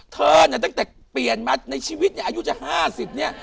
เธอเนี่ยตั้งแต่เปลี่ยนมาในชีวิตเนี่ยอายุจะ๕๐เนี่ย